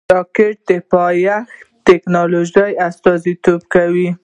راکټ د پایښت د ټېکنالوژۍ استازیتوب کوي